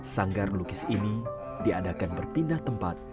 sanggar melukis ini diadakan berpindah tempat